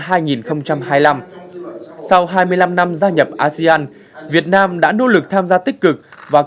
sau hai mươi năm năm gia nhập asean việt nam đã nỗ lực tham gia tích cực vào